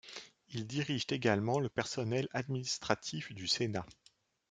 Ils dirigent également le personnel administratif du Sénat.